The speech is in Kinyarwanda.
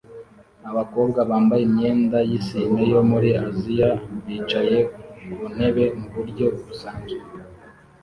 Abakobwa bambaye imyenda yisine yo muri Aziya bicaye ku ntebe muburyo busanzwe